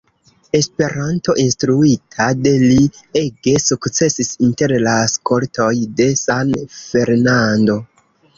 Esperanto, instruita de li, ege sukcesis inter la skoltoj de San Fernando.